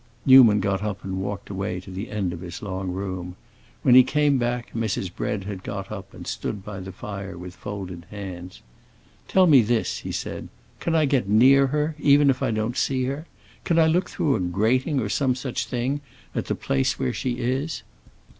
Newman got up and walked away to the end of his long room. When he came back Mrs. Bread had got up, and stood by the fire with folded hands. "Tell me this," he said. "Can I get near her—even if I don't see her? Can I look through a grating, or some such thing, at the place where she is?"